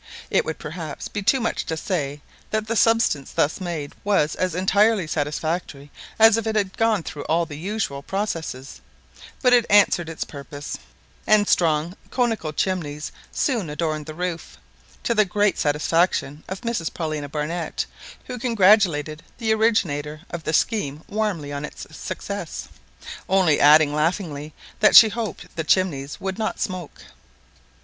It would perhaps be too much to say that the substance thus made was as entirely satisfactory as if it had gone through all the usual processes; but it answered its purpose, and strong conical chimneys soon adorned the roof, to the great satisfaction of Mrs Paulina Barnett, who congratulated the originator of the scheme warmly on its success, only adding laughingly, that she hoped the chimneys would not smoke.